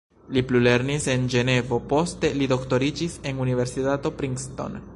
Li plulernis en Ĝenevo, poste li doktoriĝis en Universitato Princeton.